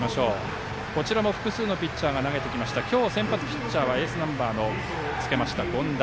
こちらも複数のピッチャーが投げてきましたが今日先発ピッチャーはエースナンバーの権田。